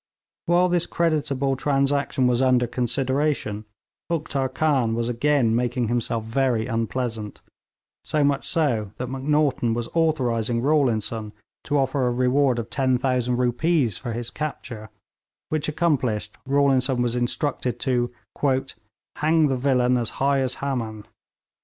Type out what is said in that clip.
While this creditable transaction was under consideration, Uktar Khan was again making himself very unpleasant; so much so that Macnaghten was authorising Rawlinson to offer a reward of 10,000 rupees for his capture, which accomplished, Rawlinson was instructed to 'hang the villain as high as Haman.'